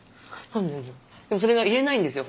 でもそれが言えないんですよ